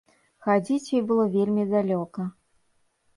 Хадзіць ёй было вельмі далёка.